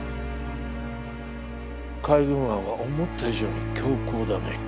海軍案は思った以上に強硬だね。